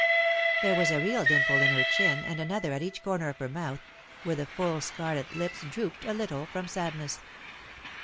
There was a real dimple in her chin and another at each corner of her mouth, where the full scarlet lips drooped a little from sadness.